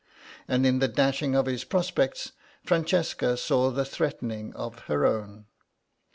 And in the dashing of his prospects, Francesca saw the threatening of her own.